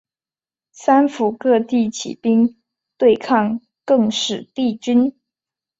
三辅各地起兵对抗更始帝军。